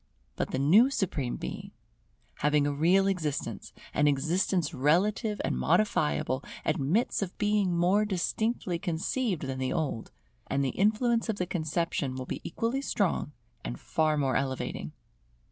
But the new Supreme Being, having a real existence, an existence relative and modifiable, admits of being more distinctly conceived than the old; and the influence of the conception will be equally strong and far more elevating.